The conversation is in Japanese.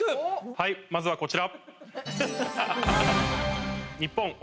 はいまずはこちら。